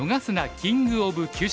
キング・オブ・急所」。